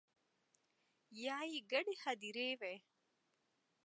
یا يې ګډې هديرې وي